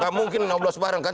gak mungkin enam belas bareng kan